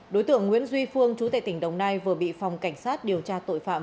đối tượng nguyễn duy phương chú tệ tỉnh đồng nai vừa bị phòng cảnh sát điều tra tội phạm